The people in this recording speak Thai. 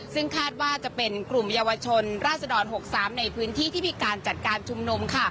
ซึ่งคาดว่าจะเป็นกลุ่มเยาวชนราชดร๖๓ในพื้นที่ที่มีการจัดการชุมนุม